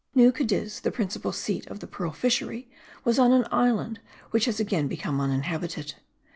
New Cadiz, the principal seat of the pearl fishery, was on an island which has again become uninhabited.